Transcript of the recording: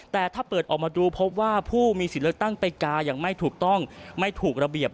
แต่ถ้าเปิดออกมาดูพบว่าผู้มีสิทธิ์เลือกตั้งไปกาอย่างไม่ถูกต้องไม่ถูกระเบียบ